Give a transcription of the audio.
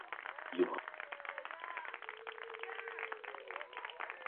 You have killed yourself.